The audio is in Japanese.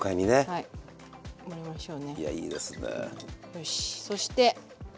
よしそして。